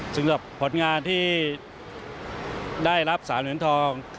สำหรับผลงานที่ได้รับ๓เหรียญทอง